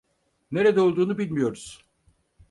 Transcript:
Nerede olduğunu bilmiyoruz.